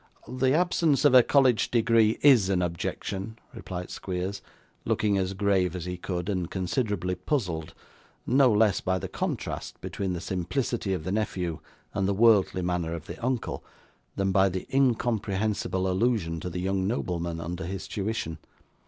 'The absence of a college degree IS an objection,' replied Squeers, looking as grave as he could, and considerably puzzled, no less by the contrast between the simplicity of the nephew and the worldly manner of the uncle, than by the incomprehensible allusion to the young noblemen under his tuition.